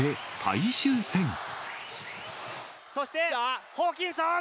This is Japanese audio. そして、ホーキンソン。